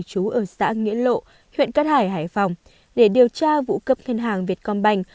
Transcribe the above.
trú ở xã nguyễn lộ huyện cất hải hải phòng để điều tra vụ cấp ngân hàng việt công bành